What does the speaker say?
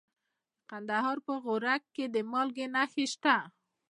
د کندهار په غورک کې د مالګې نښې شته.